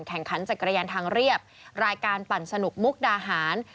แข่งขันจักรยานทางเรียบรายการปั่นสนุกมุกดาหาร